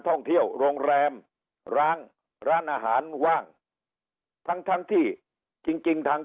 ท่องเที่ยวโรงแรมร้างร้านอาหารว่างทั้งทั้งที่จริงจริงทาง